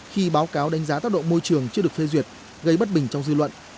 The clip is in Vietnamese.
hồ sơ đánh giá tác động môi trường chưa được phê duyệt gây bất bình trong dư luận